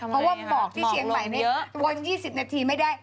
เพราะว่าหมอกที่เชียงใหม่นี่วน๒๐นาทีไม่ได้